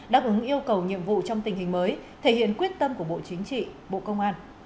đáp ứng yêu cầu nhiệm vụ trong tình hình mới thể hiện quyết tâm của bộ chính trị bộ công an